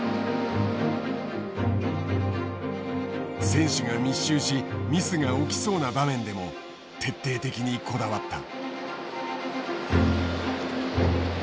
選手が密集しミスが起きそうな場面でも徹底的にこだわった。